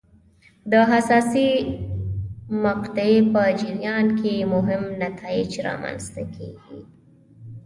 د حساسې مقطعې په جریان کې مهم نتایج رامنځته کېږي.